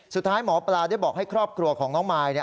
สุดท้ายหมอปลาได้บอกให้ครอบครัวของน้องมาย